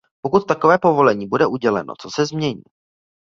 Pokud takové povolení bude uděleno, co se změní?